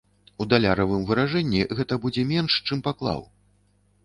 У даляравым выражэнні гэта будзе менш, чым паклаў.